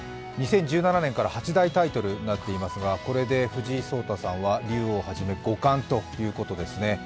２０１７年から８大タイトルになっていますが、これで藤井聡太さんは竜王はじめ五冠ということになります。